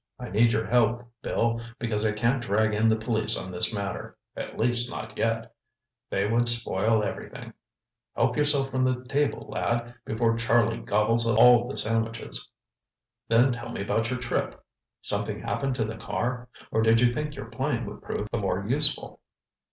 I need your help, Bill, because I can't drag in the police on this matter—at least, not yet. They would spoil everything. Help yourself from the table, lad, before Charlie gobbles all the sandwiches. Then tell me about your trip. Something happen to the car? Or did you think your plane would prove the more useful?"